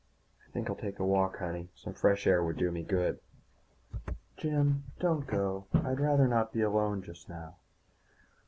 "I think I'll take a walk, honey. Some fresh air would do me good." "Jim, don't go. I'd rather not be alone just now."